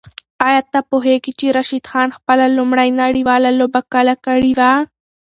آیا ته پوهېږې چې راشد خان خپله لومړۍ نړیواله لوبه کله کړې وه؟